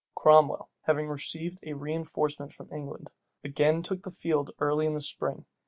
Cromwell, having received a reënforcement from England, again took the field early in the spring.